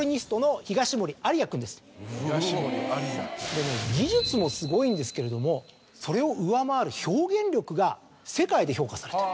でね技術もすごいんですけれどもそれを上回る表現力が世界で評価されてる。